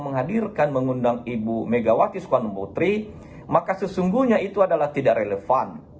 menghadirkan mengundang ibu megawati soekarno putri maka sesungguhnya itu adalah tidak relevan